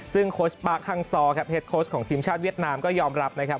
ซึ่งโค้ชปาร์คฮังซอร์ครับเฮดโค้ชของทีมชาติเวียดนามก็ยอมรับนะครับ